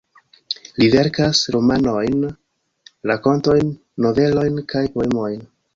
Li verkas romanojn, rakontojn, novelojn kaj poemojn.